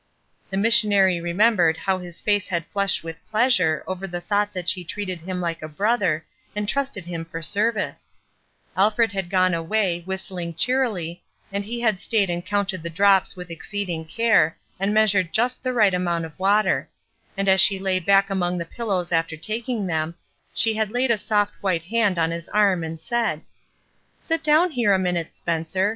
The missionary remembered how his face had flushed with pleasure over the thought that she treated him Uke a brother, and trusted him for service, Alfred had gone away, whistling cheerily, and he had stayed and counted the drops with exceeding care, and measured just 16 SACRIFICE 17 the right amount of water ; and as she lay back among the pillows after taking them, she had laid a soft white hand on his arm and said :— "Sit down here a minute, Spencer.